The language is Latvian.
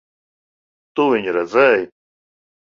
Tu viņu redzēji?